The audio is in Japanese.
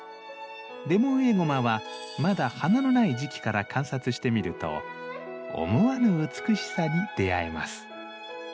レモンエゴマはまだ花のない時期から観察してみると思わぬ美しさに出会えます。